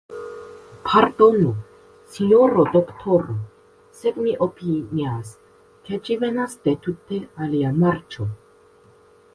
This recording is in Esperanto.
Pardonu, sinjoro doktoro, sed mi opinias, ke ĝi venas de tute alia marĉo.